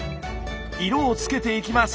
色をつけていきます。